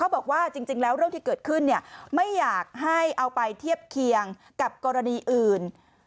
บอกว่าจริงแล้วเรื่องที่เกิดขึ้นไม่อยากให้เอาไปเทียบเคียงกับกรณีอื่น